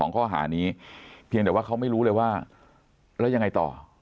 ข้อหานี้เพียงแต่ว่าเขาไม่รู้เลยว่าแล้วยังไงต่อ